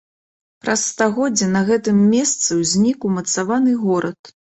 Праз стагоддзе на гэтым месцы ўзнік умацаваны горад.